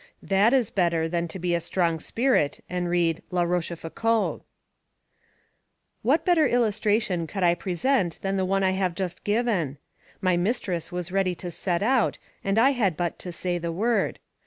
That is better than to be a strong spirit and read La Rochefoucauld. What better illustration could I present than the one I have just given? My mistress was ready to set out and I had but to say the word.